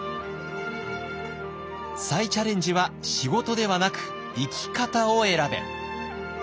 「再チャレンジは仕事ではなく生き方を選べ！」。